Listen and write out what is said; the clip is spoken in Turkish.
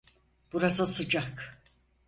Burası sıcak.